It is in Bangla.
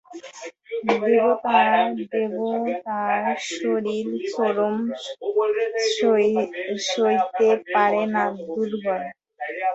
দেবতার শরীর শ্রম সইতে পারে না, দুর্বল।